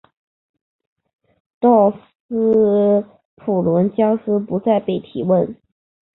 道斯普伦加斯不再被提及。